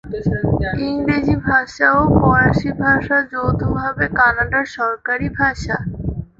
ইংরেজি ভাষা ও ফরাসি ভাষা যৌথভাবে কানাডার সরকারি ভাষা।